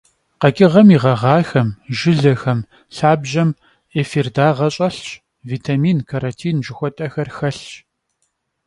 Къэкӏыгъэм и гъэгъахэм, жылэхэм, лъабжьэм эфир дагъэ щӏэлъщ, витмаин, каротин жыхуэтӏэхэр хэлъщ.